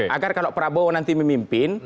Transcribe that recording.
agar kalau prabowo nanti memimpin